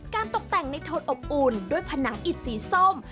ตกแต่งในโทนอบอุ่นด้วยผนังอิดสีส้ม